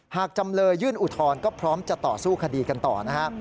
จำเลยยื่นอุทธรณ์ก็พร้อมจะต่อสู้คดีกันต่อนะฮะ